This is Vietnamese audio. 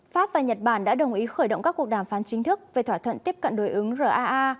pháp và nhật bản đã đồng ý khởi động các cuộc đàm phán chính thức về thỏa thuận tiếp cận đối ứng raa